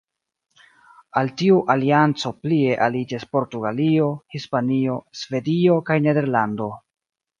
Al tiu alianco plie aliĝis Portugalio, Hispanio, Svedio kaj Nederlando.